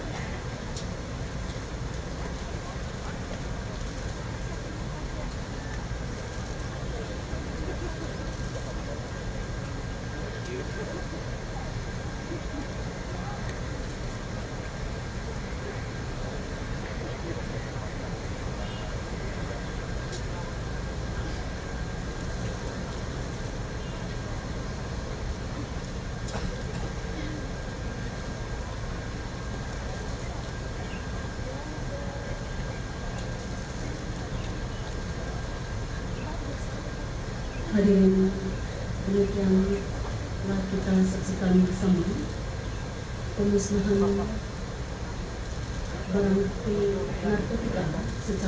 tentang barang bukti yang ada di sebelah kiri kami